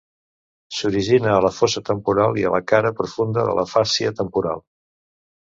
S'origina a la fossa temporal i a la cara profunda de la fàscia temporal.